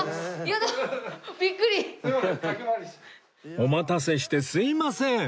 お待たせしてすみません